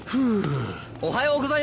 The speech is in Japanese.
・おはようございます。